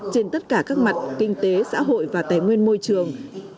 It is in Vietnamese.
trên tất cả các mặt kinh tế xã hội và tài nguyên môi trường